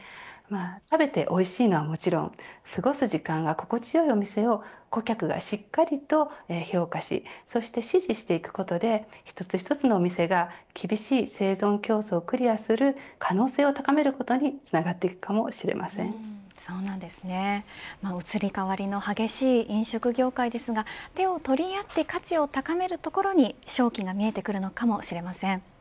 食べておいしいのは、もちろん過ごす時間が心地良いお店も顧客がしっかりと評価しそして支持していくことで一つ、一つのお店が厳しい生存競争をクリアする可能性を高めることに移り変わりの激しい飲食業界ですが手を取り合って価値を高めるところに商機が見えてくるのかもしれません。